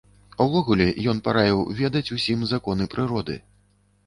Увогуле, ён параіў ведаць усім законы прыроды.